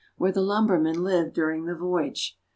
357 where the lumbermen live during the voyage.